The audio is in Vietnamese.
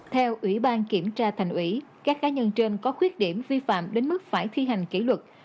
theo ủy ban kiểm tra thành ủy các cá nhân trên có khuyết điểm vi phạm đến mức phải thi hành kỷ luật